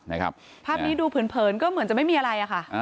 ภาพนี้ดูเผินก็เหมือนจะไม่มีอะไรอะค่ะ